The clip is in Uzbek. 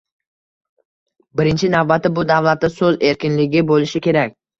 Birinchi navbatda bu davlatda soʻz erkinligi boʻlishi kerak.